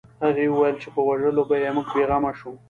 هغه وویل چې په وژلو به یې موږ بې غمه شو